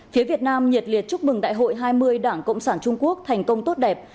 phía việt nam nhiệt liệt chúc mừng đại hội hai mươi đảng cộng sản trung quốc thành công tốt đẹp